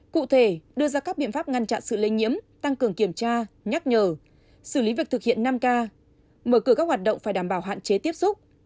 cụ thể đưa ra các biện pháp ngăn chặn sự lây nhiễm tăng cường kiểm tra nhắc nhở xử lý việc thực hiện năm k mở cửa các hoạt động phải đảm bảo hạn chế tiếp xúc